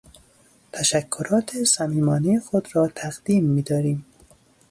تشکرات صمیمانهٔ خود را تقدیم میداریم.